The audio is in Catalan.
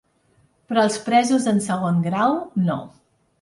Però els presos en segon grau, no.